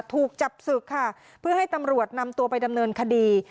ถูกจับศึกค่ะเพื่อให้ตำรวจนำตัวไปดำเนินคดี